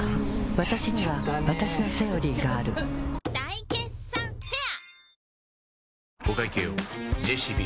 わたしにはわたしの「セオリー」がある大決算フェア